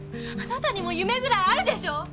あなたにも夢ぐらいあるでしょ！